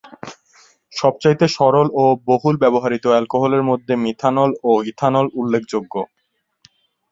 সবচাইতে সরল ও বহুল ব্যবহৃত অ্যালকোহলের মধ্যে মিথানল ও ইথানল উল্লেখযোগ্য।